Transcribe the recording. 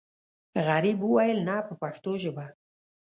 غریب وویل نه په پښتو ژبه.